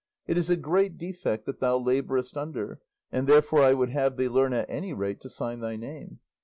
It is a great defect that thou labourest under, and therefore I would have thee learn at any rate to sign thy name."